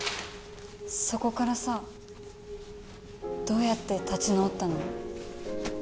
そこからさどうやって立ち直ったの？